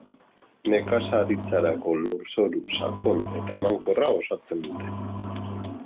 Nekazaritzarako, lurzoru sakon eta emankorra osatzen dute.